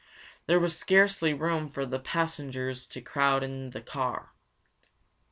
There was scarcely room for the passengers to crowd in the car.